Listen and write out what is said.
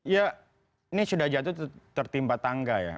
ya ini sudah jatuh tertimpa tangga ya